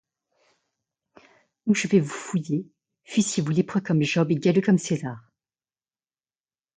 Ou je vais vous fouiller, fussiez-vous lépreux comme Job et galeux comme César!